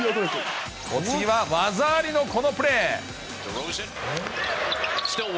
お次は技ありのこのプレー。